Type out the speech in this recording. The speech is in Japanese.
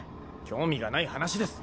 興味がない話です。